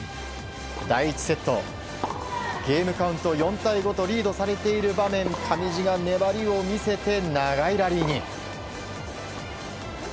第１セット、ゲームカウント４対５とリードされている場面上地が粘りを見せて長いラリーに。